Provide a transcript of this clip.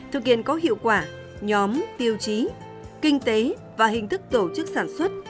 thực hiện có hiệu quả nhóm tiêu chí kinh tế và hình thức tổ chức sản xuất